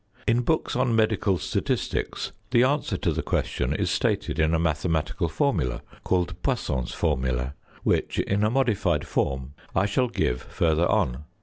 In books on Medical Statistics the answer to the question is stated in a mathematical formula, called Poisson's formula, which, in a modified form, I shall give further on.